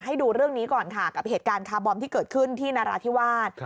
ให้ดูเรื่องนี้ก่อนค่ะกับเหตุการณ์คาร์บอมที่เกิดขึ้นที่นราธิวาส